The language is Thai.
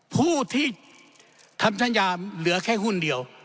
ผู้ที่ทำสัญญาเหลือแค่หุ้นเดียว